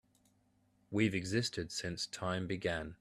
We've existed since time began.